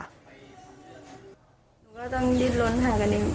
หนูก็ต้องดินล้นหากันอีก